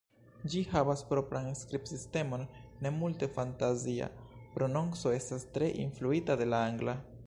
Ĝi havas propran skribsistemon, ne multe fantazia, prononco estas tre influita de la angla.